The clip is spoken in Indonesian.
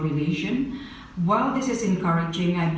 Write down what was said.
walaupun ini mempercepat saya percaya